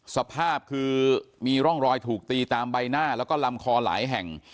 สภาพคือมีร่องรอยถูกตีตามใบหน้าแล้วก็ลำคอหลายแห่ง